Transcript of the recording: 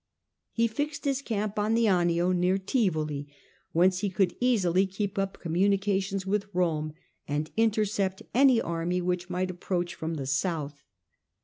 He fixed his camp on the Anio, near Tivoli, whence he could easily keep up communications with Rome, and intercept any army which might approach from the south.